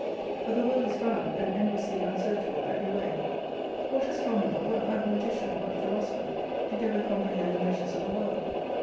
But the world is round, and endlessly unsearchable every way. What astronomer, what mathematician, what philosopher did ever comprehend the measures of the world